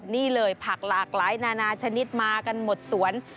นี่เลยผักหลากหลายนานาชนิดมากันหมดสวน